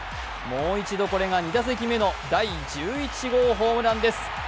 もう一度、２打席目の第１１号ホームランです。